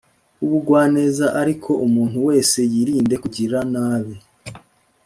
w ubugwaneza ariko umuntu wese yirinde kugira nabi